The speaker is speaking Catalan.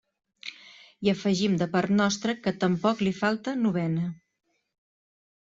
I afegim de part nostra que tampoc li falta novena.